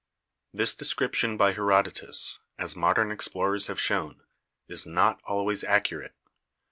This description by Herodotus, as modern ex plorers have shown, is not always accurate.